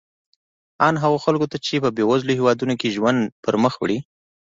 ان هغو خلکو ته چې په بېوزلو هېوادونو کې ژوند پرمخ وړي.